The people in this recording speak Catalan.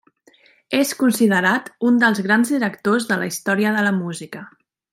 És considerat un dels grans directors de la història de la música.